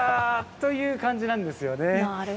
という感じなんですよね。